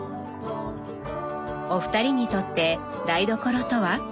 お二人にとって台所とは？